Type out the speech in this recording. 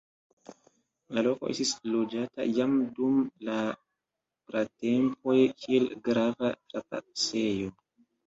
La loko estis loĝata jam dum la pratempoj, kiel grava trapasejo.